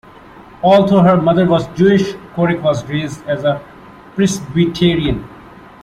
Although her mother was Jewish, Couric was raised as a Presbyterian.